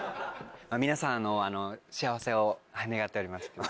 皆さんの幸せを願っております。